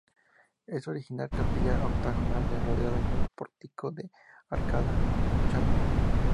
Es una original capilla octogonal, rodeada de un pórtico de arcada ochavada.